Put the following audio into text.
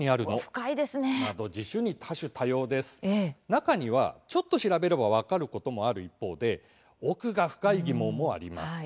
中には、ちょっと調べれば分かることもある一方で奥が深い疑問もあります。